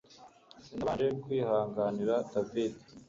Sinabanje kwihanganira David